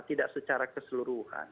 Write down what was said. tidak secara keseluruhan